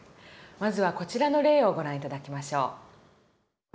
まずはこちらの例をご覧頂きましょう。